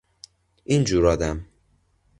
این جور آدم